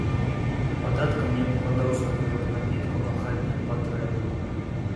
Падаткам не абкладаўся выраб напіткаў на хатнія патрэбы.